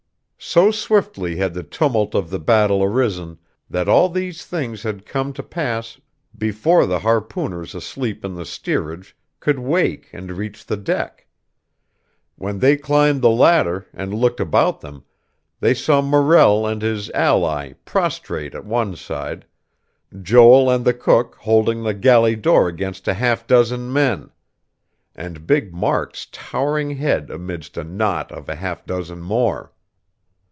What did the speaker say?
So swiftly had the tumult of the battle arisen that all these things had come to pass before the harpooners asleep in the steerage could wake and reach the deck. When they climbed the ladder, and looked about them, they saw Morrell and his ally prostrate at one side, Joel and the cook holding the galley door against a half dozen men; and big Mark's towering head amidst a knot of half a dozen more.